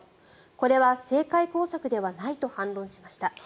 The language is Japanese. これは政界工作ではないと反論しました。